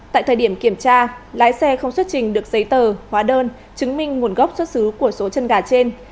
tại thời điểm kiểm tra lái xe không xuất trình được giấy tờ hóa đơn chứng minh nguồn gốc xuất xứ của số chân gà trên